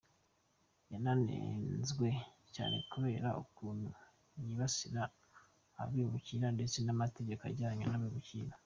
Yananenzwe cyane kubera ukuntu yibasira abimukira ndetse n'amategeko ajyanye n'abimukira.